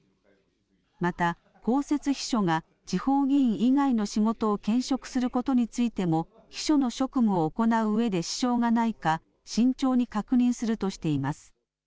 また、公設秘書が地方議員以外の仕事を兼職することについても秘書の職務を行ううえで支障がないか慎重に確認するとしています。